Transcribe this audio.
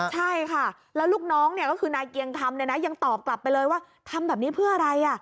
ใช่ค่ะแล้วลูกน้องก็คือนายเกียงคำเนี่ยนะยังตอบกลับไปเลยว่าทำแบบนี้เพื่ออะไร